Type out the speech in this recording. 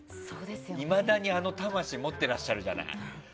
いまだにあの魂持っていらっしゃるじゃない。